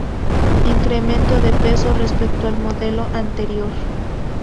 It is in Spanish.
Incremento de peso respecto al modelo anterior.